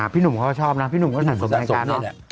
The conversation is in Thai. พี่หนุ่มเขาก็ชอบนะพี่หนุ่มก็สะสมในการเนอะ